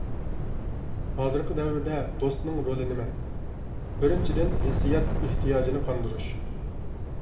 ھازىرقى دەۋردە دوستنىڭ رولى نېمە؟ بىرىنچىدىن، ھېسسىيات ئېھتىياجىنى قاندۇرۇش.